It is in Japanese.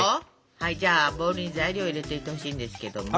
じゃあボウルに材料を入れていってほしいんですけども。